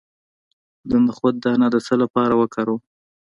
د نخود دانه د څه لپاره وکاروم؟